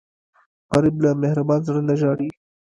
غریب له مهربان زړه نه ژاړي